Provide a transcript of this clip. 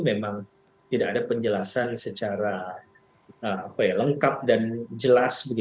memang tidak ada penjelasan secara lengkap dan jelas